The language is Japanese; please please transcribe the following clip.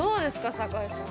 坂井さん。